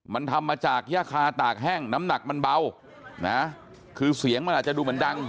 มันทำมาจากย่าคาตากแห้งน้ำหนักมันเบานะคือเสียงมันอาจจะดูเหมือนดัง